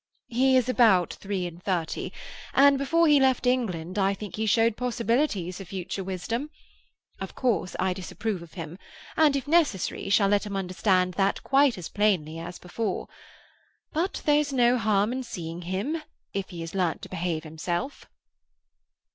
"He is about three and thirty, and before he left England I think he showed possibilities of future wisdom. Of course I disapprove of him, and, if necessary, shall let him understand that quite as plainly as before. But there's no harm in seeing if he has learnt to behave himself."